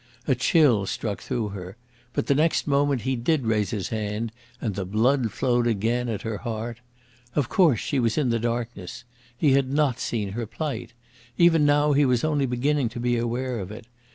A chill struck through her. But the next moment he did raise his hand and the blood flowed again, at her heart. Of course, she was in the darkness. He had not seen her plight. Even now he was only beginning to be aware of it.